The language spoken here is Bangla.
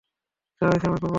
যা হয়েছে আমাকে বলো।